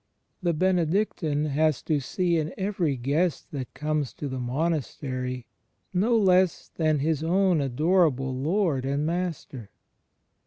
The Benedictine has to see in every guest that comes to the monastery no one less than his own adorable Lord and Master.